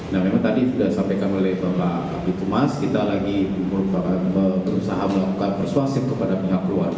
nah memang tadi sudah sampaikan oleh bapak bitumas kita lagi berusaha melakukan persuasif kepada pihak keluarga